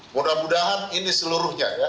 mudah mudahan ini seluruhnya